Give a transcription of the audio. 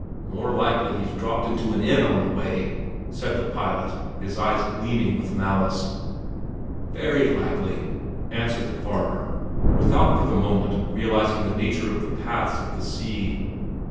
"More likely he's dropped into an inn on the way!" said the pilot, his eyes gleaming with malice. "Very likely," answered the farmer, without for the moment realizing the nature of the paths of the sea.